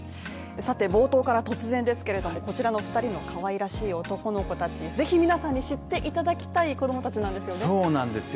さて冒頭から突然ですけれどもこちらの２人のかわいらしい男の子たちぜひ皆さんに知っていただきたい子供たちなんですよ